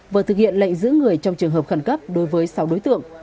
vừa thực hiện lệnh giữ người trong trường hợp khẩn cấp đối với sáu đối tượng